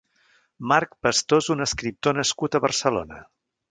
Marc Pastor és un escriptor nascut a Barcelona.